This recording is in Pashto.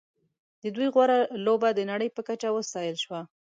د دوی غوره لوبه د نړۍ په کچه وستایل شوه.